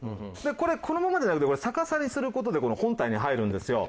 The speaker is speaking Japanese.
これこのままじゃなくて逆さにする事でこの本体に入るんですよ。